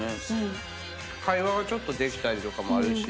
会話ができたりとかもあるし。